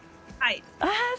はい。